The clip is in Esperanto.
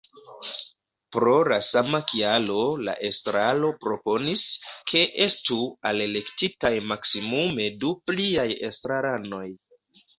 Pro la sama kialo la estraro proponis, ke estu alelektitaj maksimume du pliaj estraranoj.